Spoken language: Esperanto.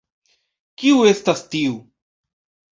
Kiu estas tiu?